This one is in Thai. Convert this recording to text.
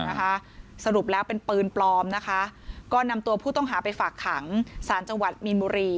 นะคะสรุปแล้วเป็นปืนปลอมนะคะก็นำตัวผู้ต้องหาไปฝากขังสารจังหวัดมีนบุรี